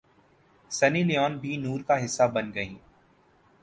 سنی Leone بھی نور کا حصہ بن گئیں